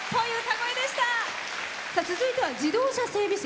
続いては自動車整備士。